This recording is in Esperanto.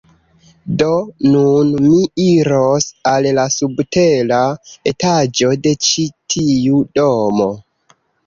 Do, nun mi iros al la subtera etaĝo de ĉi tiu domo